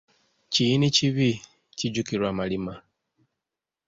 Kiyinikibi, kijjukirwa malima.